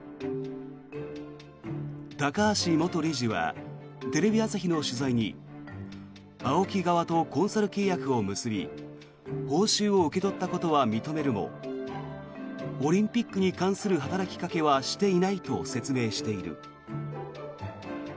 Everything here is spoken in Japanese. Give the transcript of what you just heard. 高橋元理事はテレビ朝日の取材にＡＯＫＩ側とコンサル契約を結び報酬を受け取ったことは認めるもオリンピックに関する働きかけはしていないと説明している。